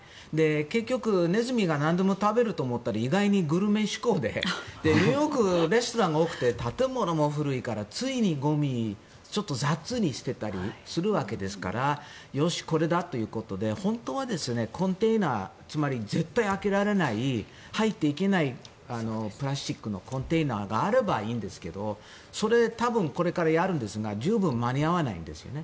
結局、ネズミがなんでも食べると思ったら意外にグルメ志向でニューヨークはレストランが多くて建物も古いから、ついゴミを雑にしていたりするわけですからよし、これだということで本当は、コンテナつまり絶対開けられない入っていけないプラスチックのコンテナがあればいいんですがそれを多分これからやるんですが間に合わないんですね。